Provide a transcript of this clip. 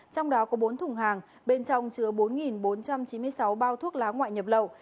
trong đó có bốn thùng hàng bên trong chứa bốn bốn trăm chín mươi sáu bao thuốc lá ngoại nhập lậu